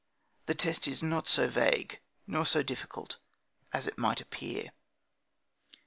The test is not so vague, nor so difficult, as might appear.